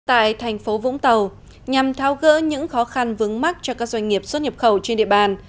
tại thành phố vũng tàu nhằm tháo gỡ những khó khăn vướng mắt cho các doanh nghiệp xuất nhập khẩu trên địa bàn